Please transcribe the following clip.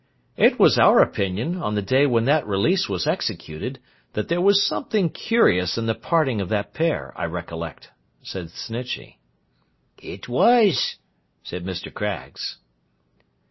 'It was our opinion, on the day when that release was executed, that there was something curious in the parting of that pair; I recollect,' said Snitchey. 'It was,' said Mr. Craggs.